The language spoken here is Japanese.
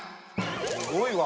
すごいわ。